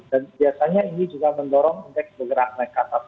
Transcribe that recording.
dan biasanya ini juga mendorong indeks bergerak naik ke atas